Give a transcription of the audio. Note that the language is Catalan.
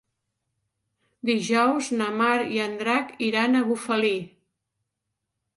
Dijous na Mar i en Drac iran a Bufali.